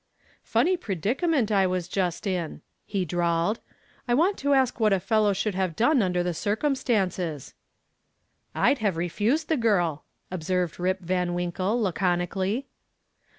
"Funny predicament I was just in," he drawled. "I want to ask what a fellow should have done under the circumstances." "I'd have refused the girl," observed "Rip" Van Winkle, laconically.